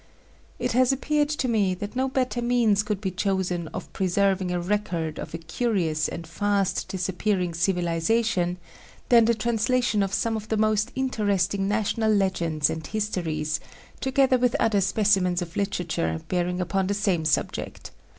It has appeared to me that no better means could be chosen of preserving a record of a curious and fast disappearing civilization than the translation of some of the most interesting national legends and histories, together with other specimens of literature bearing upon the same subject.